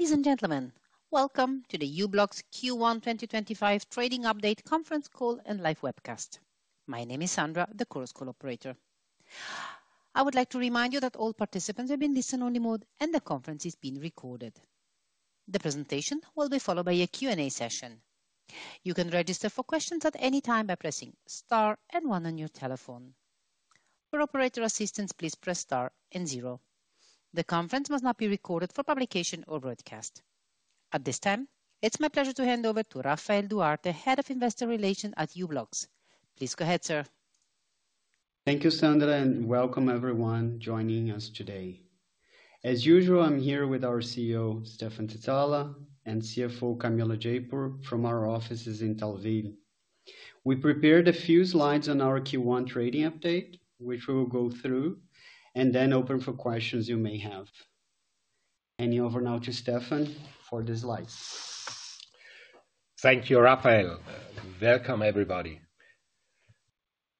Ladies and gentlemen, welcome to the u-blox Q1 2025 Trading Update Conference Call and Live Webcast. My name is Sandra, the Chorus Call operator. I would like to remind you that all participants have been listen-only mode, and the conference is being recorded. The presentation will be followed by a Q&A session. You can register for questions at any time by pressing star and one on your telephone. For operator assistance, please press star and zero. The conference must not be recorded for publication or broadcast. At this time, it's my pleasure to hand over to Rafael Duarte, Head of Investor Relations at u-blox. Please go ahead, sir. Thank you, Sandra, and welcome everyone joining us today. As usual, I'm here with our CEO, Stephan Zizala, and CFO, Camila Japur, from our offices in Thalwil. We prepared a few slides on our Q1 Trading Update, which we will go through, and then open for questions you may have. Handing over now to Stephan for the slides. Thank you, Rafael. Welcome, everybody.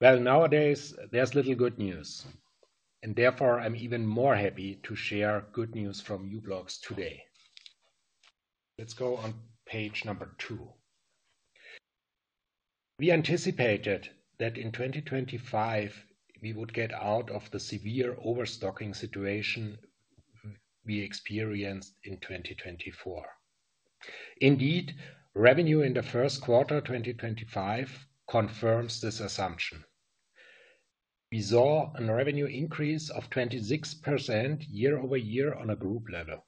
Nowadays, there's little good news, and therefore I'm even more happy to share good news from u-blox today. Let's go on page number two. We anticipated that in 2025, we would get out of the severe overstocking situation we experienced in 2024. Indeed, revenue in the Q1 2025 confirms this assumption. We saw a revenue increase of 26% year-over-year on a group level.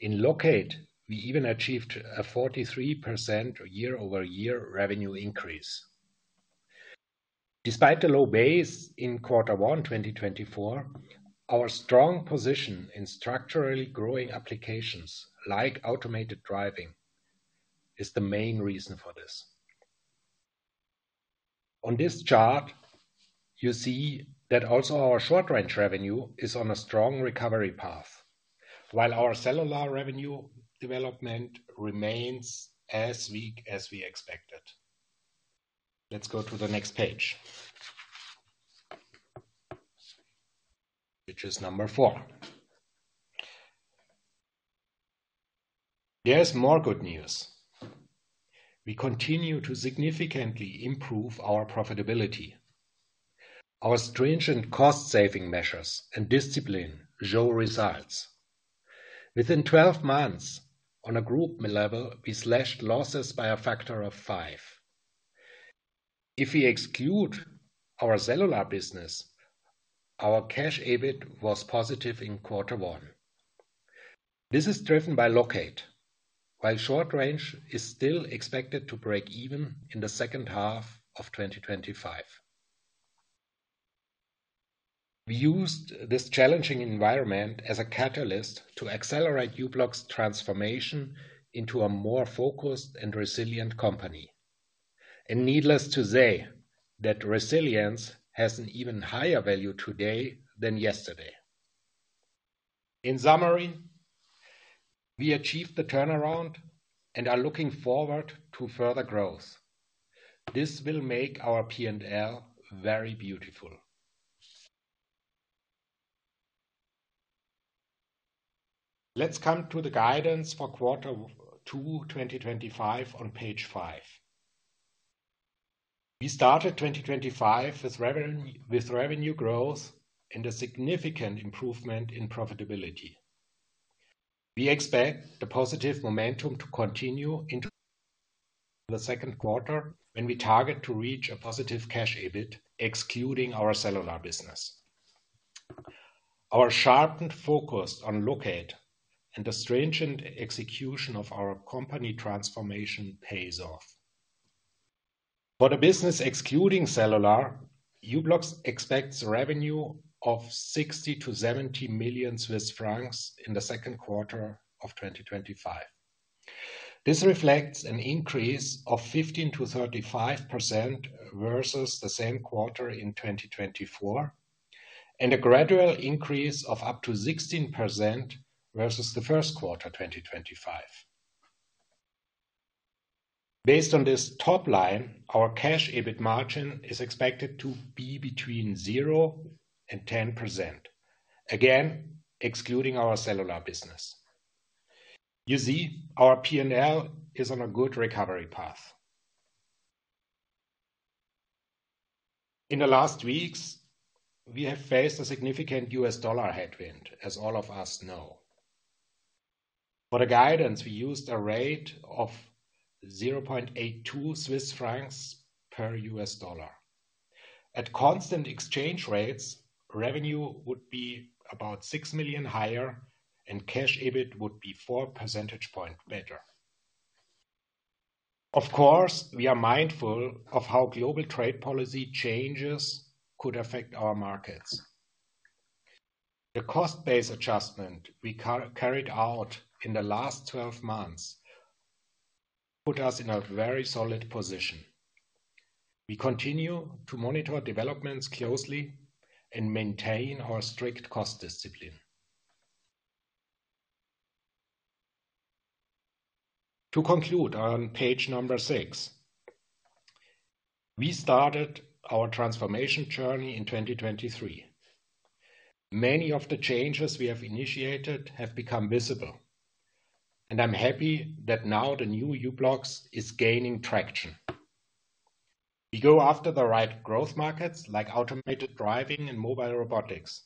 In Locate, we even achieved a 43% year-over-year revenue increase. Despite the low base in Q1 2024, our strong position in structurally growing applications like automated driving is the main reason for this. On this chart, you see that also our short-range revenue is on a strong recovery path, while our Cellular revenue development remains as weak as we expected. Let's go to the next page, which is number four. There's more good news. We continue to significantly improve our profitability. Our stringent cost-saving measures and discipline show results. Within 12 months, on a group level, we slashed losses by a factor of five. If we exclude our cellular business, our cash EBIT was positive in Q1. This is driven by locate, while short-range is still expected to break even in the H2 of 2025. We used this challenging environment as a catalyst to accelerate u-blox transformation into a more focused and resilient company. Needless to say, that resilience has an even higher value today than yesterday. In summary, we achieved the turnaround and are looking forward to further growth. This will make our P&L very beautiful. Let's come to the guidance for Q2 2025 on page five. We started 2025 with revenue growth and a significant improvement in profitability. We expect the positive momentum to continue into the Q2 when we target to reach a positive cash EBIT, excluding our cellular business. Our sharp focus on Locate and the stringent execution of our company transformation pays off. For the business excluding cellular, u-blox expects revenue of 60 to 70 million in the Q2 of 2025. This reflects an increase of 15%-35% versus the same quarter in 2024, and a gradual increase of up to 16% versus the Q1 2025. Based on this top line, our cash EBIT margin is expected to be between 0%-10%, again excluding our cellular business. You see, our P&L is on a good recovery path. In the last weeks, we have faced a significant US dollar headwind, as all of us know. For the guidance, we used a rate of 0.82 Swiss francs per $1. At constant exchange rates, revenue would be about 6 million higher, and cash EBIT would be four percentage points better. Of course, we are mindful of how global trade policy changes could affect our markets. The cost-based adjustment we carried out in the last 12 months put us in a very solid position. We continue to monitor developments closely and maintain our strict cost discipline. To conclude on page number six, we started our transformation journey in 2023. Many of the changes we have initiated have become visible, and I'm happy that now the new u-blox is gaining traction. We go after the right growth markets like automated driving and mobile robotics.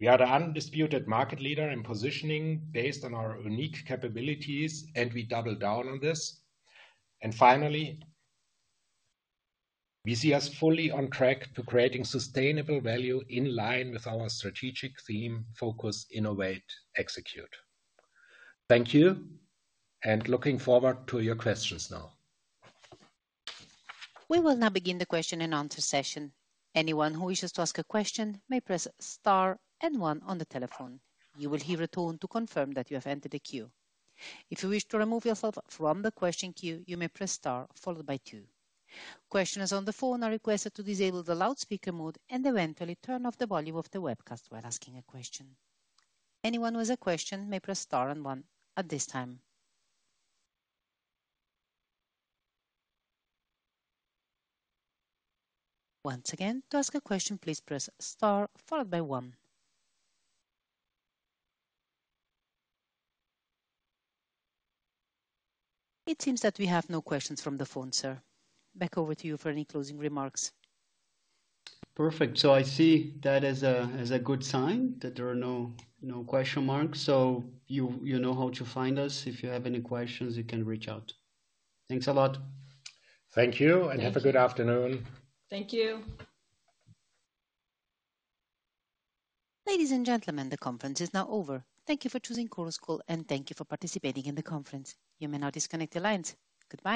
We are the undisputed market leader in positioning based on our unique capabilities, and we double down on this. Finally, we see us fully on track to creating sustainable value in line with our strategic theme, focus, innovate, execute. Thank you, and looking forward to your questions now. We will now begin the question and answer session. Anyone who wishes to ask a question may press star and one on the telephone. You will hear a tone to confirm that you have entered the queue. If you wish to remove yourself from the question queue, you may press star followed by two. Questioners on the phone are requested to disable the loudspeaker mode and eventually turn off the volume of the webcast while asking a question. Anyone who has a question may press star and one at this time. Once again, to ask a question, please press star followed by one. It seems that we have no questions from the phone, sir. Back over to you for any closing remarks. Perfect. I see that as a good sign that there are no question marks. You know how to find us. If you have any questions, you can reach out. Thanks a lot. Thank you, and have a good afternoon. Thank you. Ladies and gentlemen, the conference is now over. Thank you for choosing Chorus Call, and thank you for participating in the conference. You may now disconnect your lines. Goodbye.